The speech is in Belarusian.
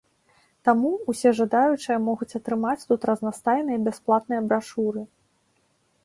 Таму ўсе жадаючыя могуць атрымаць тут разнастайныя бясплатныя брашуры.